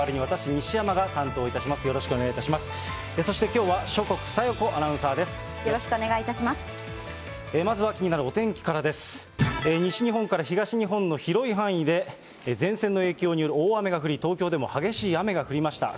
西日本から東日本の広い範囲で、前線の影響による大雨が降り、東京でも激しい雨が降りました。